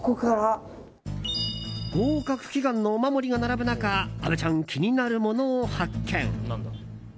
合格祈願のお守りが並ぶ中虻ちゃん、気になるものを発見。